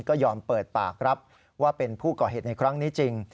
ก็ยอมเปิดปากรับว่าเป็นผู้ก่อเหตุในครั้งนี้จริง